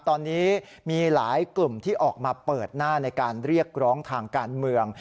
ตอนนี้มีหลายกลุ่มที่ออกมาเปิดหน้าในการเรียกร้องทางการเมือง